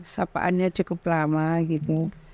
sapaannya cukup lama gitu